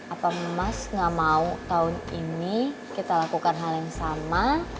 apa mas gak mau tahun ini kita lakukan hal yang sama